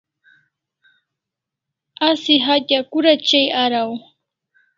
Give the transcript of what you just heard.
Asi hatya kura chai araw?